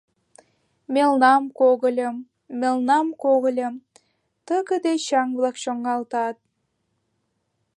«Мелнам-когыльым, мелнам-когыльым», — тыгыде чаҥ-влак чоҥгалтат.